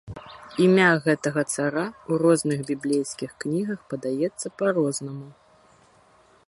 Імя гэтага цара ў розных біблейскіх кнігах падаецца па-рознаму.